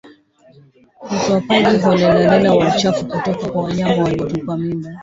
Utupwaji holela wa uchafu kutoka kwa wanyama waliotupa mimba